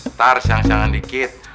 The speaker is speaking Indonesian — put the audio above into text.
ntar siang dua an dikit